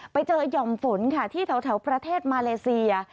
ไปเจอหย่อมฝนค่ะที่แถวประเทศมาเลเซีย